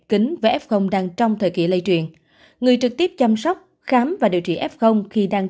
kính và f đang trong thời kỳ lây truyền người trực tiếp chăm sóc khám và điều trị f khi đang